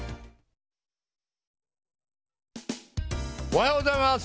おはようございます！